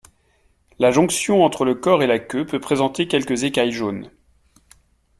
La jonction entre le corps et la queue peut présenter quelques écailles jaunes.